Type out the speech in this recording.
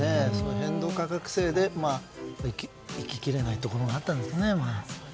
変動価格制で生き切れないところがあったんですかね。